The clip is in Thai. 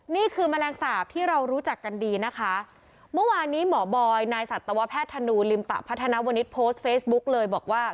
แมลงสาปที่เรารู้จักกันดีนะคะเมื่อวานนี้หมอบอยนายสัตวแพทย์ธนูลิมปะพัฒนาวนิดโพสต์เฟซบุ๊กเลยบอกว่า